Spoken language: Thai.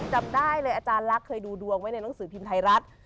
จำได้เลยอาจารย์ลักษณ์เคยดูดวงไว้ในหนังสือพิมพ์ไทยรัฐ